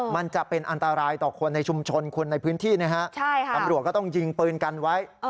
มันจะเป็นอันตรายต่อคนในชุมชนคนในพื้นที่นะฮะตำรวจก็ต้องยิงปืนกันไว้